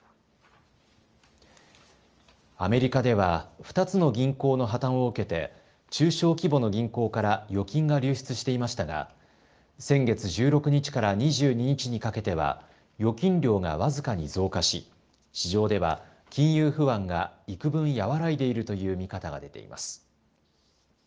アメリカでは２つの銀行の破綻を受けて中小規模の銀行から預金が流出していましたが先月１６日から２２日にかけては預金量が僅かに増加し市場では金融不安がいくぶん和らいでいるという見方が出ています。